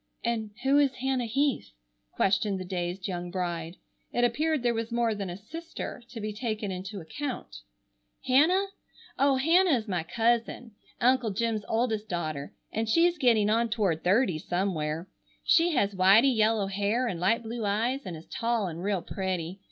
"And who is Hannah Heath?" questioned the dazed young bride. It appeared there was more than a sister to be taken into account. "Hannah? Oh, Hannah is my cousin, Uncle Jim's oldest daughter, and she's getting on toward thirty somewhere. She has whitey yellow hair and light blue eyes and is tall and real pretty.